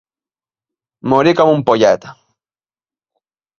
Morir com un pollet.